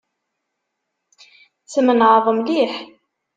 Tmeεneḍ mliḥ.